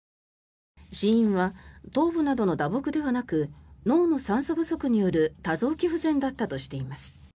死因は頭部などの打撲ではなく脳の酸素不足による多臓器不全だったとしています。